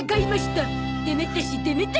でめたしでめたし。